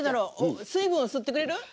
水分を吸ってくれる？